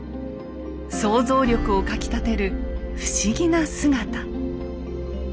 想像力をかきたてる不思議な姿。